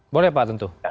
boleh pak tentu